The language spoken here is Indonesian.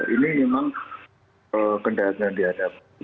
ini memang kendaraan yang dihadapi